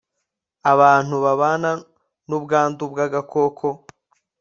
abantu babana n'ubwandu bw'agakoko